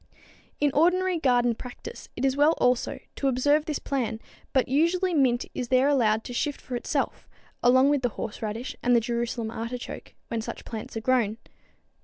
In ordinary garden practice it is well also to observe this plan, but usually mint is there allowed to shift for itself, along with the horseradish and the Jerusalem artichoke when such plants are grown.